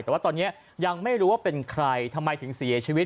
แต่ว่าตอนนี้ยังไม่รู้ว่าเป็นใครทำไมถึงเสียชีวิต